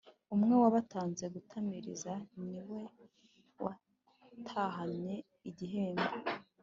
Umwe wabatanze gutamiriza niwe watahanye igihembo